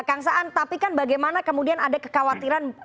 kang saan tapi kan bagaimana kemudian ada kekhawatiran